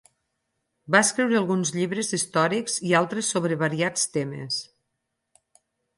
Va escriure alguns llibres històrics i altres sobre variats temes.